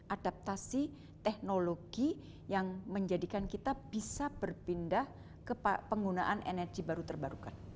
adaptasi teknologi yang menjadikan kita bisa berpindah ke penggunaan energi baru terbarukan